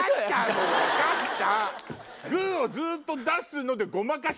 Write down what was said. もう分かった！